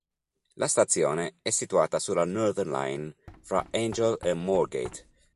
La stazione è situata sulla Northern Line fra Angel e Moorgate.